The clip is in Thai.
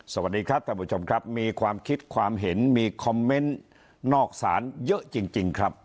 สวัสดีครับท่านผู้ชมครับมีความคิดความเห็นมีคอมเมนต์นอกศาลเยอะจริงครับ